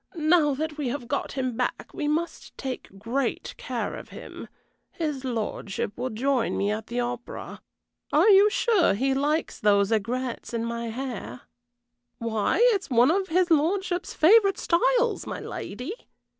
"Now that we have got him back we must take great care of him. His lordship will join me at the opera. Are you sure he likes those aigrettes in my hair?" "Why, it's one of his lordship's favorite styles, my lady.